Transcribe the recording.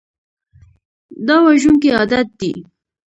دا وژونکی عادت دی.